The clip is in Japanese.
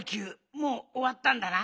もうおわったんだな。